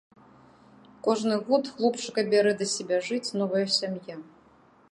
Кожны год хлопчыка бярэ да сябе жыць новая сям'я.